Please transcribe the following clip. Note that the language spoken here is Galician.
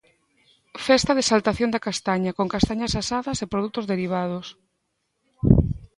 Festa de exaltación da castaña, con castañas asadas e produtos derivados.